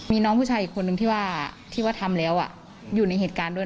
มีน้องผู้ชายอีกคนนึงที่ว่าที่ว่าทำแล้วอยู่ในเหตุการณ์ด้วย